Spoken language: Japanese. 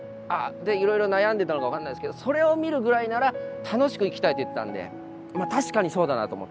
でいろいろ悩んでたのか分かんないですけどそれを見るぐらいなら楽しく生きたいって言ってたんで確かにそうだなと思って。